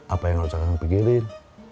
apa yang harus kami pikirin